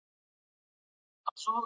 سپور لکه سلطان وو